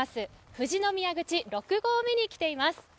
富士宮口六合目に来ています。